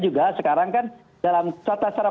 juga sekarang kan dalam tata cara